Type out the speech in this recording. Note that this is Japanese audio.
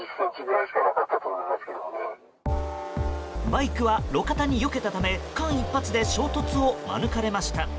バイクは、路肩によけたため間一髪で衝突を免れました。